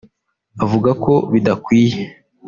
avuga ko bidakwiye